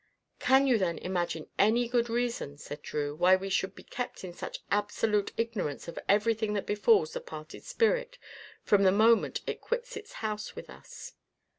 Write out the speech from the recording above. "Can you then imagine any good reason," said Drew, "why we should be kept in such absolute ignorance of everything that befalls the parted spirit from the moment it quits its house with us?"